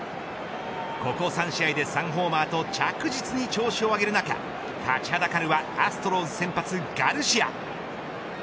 ここ３試合で３ホーマーと着実に調子を上げる中立ちはだかるはアストロズ先発ガルシア。